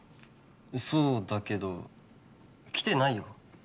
そうだけど来てないよ。